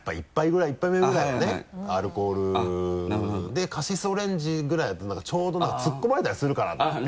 でカシスオレンジぐらいだとちょうど何かつっこまれたりするかな？と思って。